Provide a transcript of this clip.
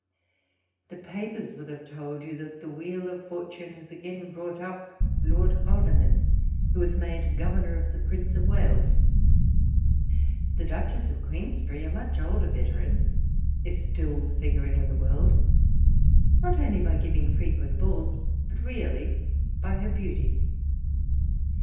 The papers will have told you that the wheel of fortune has again brought up Lord Holder nesse, who is made governor to the Prince of Wales. The Duchess of Queensberry, a much older veteran, is still figuring in the world, not only by giving frequent balls, but really by her beauty.